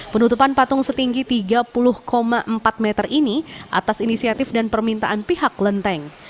penutupan patung setinggi tiga puluh empat meter ini atas inisiatif dan permintaan pihak kelenteng